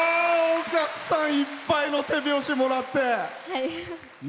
お客さんにいっぱいの手拍子をもらって。